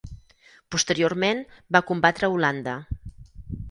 Posteriorment va combatre a Holanda.